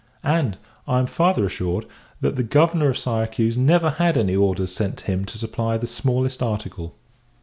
And, I am farther assured, that the Governor of Syracuse never had any orders sent him to supply the smallest article.